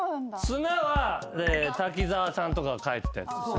綱は滝沢さんとかが書いてたやつです。